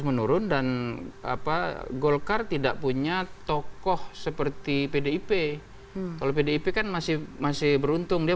menurun dan apa golkar tidak punya tokoh seperti pdip kalau pdip kan masih masih beruntung dia